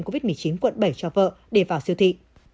covid một mươi chín quận bảy cho vợ để vào siêu thị